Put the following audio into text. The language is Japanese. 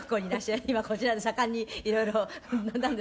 「今こちらで盛んにいろいろなんですか？」